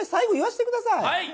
最後言わせてください。